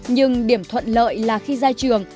nhưng điểm thuận lợi là khi ra trường